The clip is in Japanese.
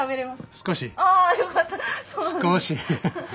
少し。